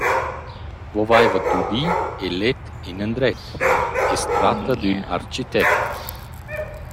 Vo vaivat dudi e let inandret, i’s tratta d’ün architect.